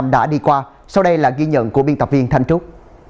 hãy cùng đến với một cổ động viên khác